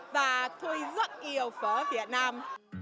và tôi rất yêu phở việt nam